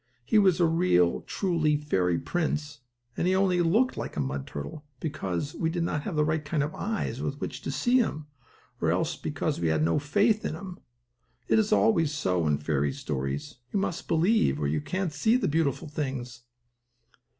"He was a real, truly, fairy prince, and he only looked like a mud turtle, because we did not have the right kind of eyes with which to see him or else because we had no faith in him. It is always so, in fairy stories. You must believe, or you can't see the beautiful things."